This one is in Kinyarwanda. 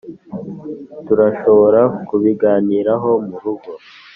turashobora kubiganiraho murugo.